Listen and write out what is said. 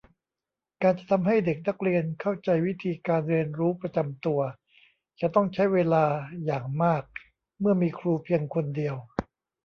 การจะทำให้เด็กนักเรียนเข้าใจวิธีการเรียนรู้ประจำตัว จะต้องใช้เวลาอย่างมากเมื่อมีครูเพียงคนเดียว